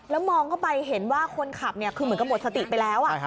แล้วมองเข้าไปเห็นว่าคนขับคือเหมือนกับหมดสติไปแล้ว